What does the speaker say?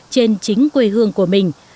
trên chính quê hương của mình